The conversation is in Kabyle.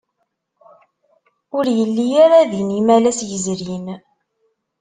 Ur yelli ara din imalas yezrin.